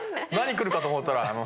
なに来るかと思ったら。